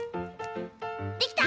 できた！